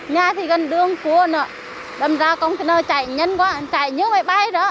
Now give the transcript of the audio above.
nhà thì gần đường cua nữa đâm ra công tơ nâu chạy nhân quá chạy như máy bay đó